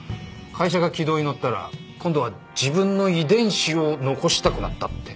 会社が軌道に乗ったら今度は自分の遺伝子を残したくなったって。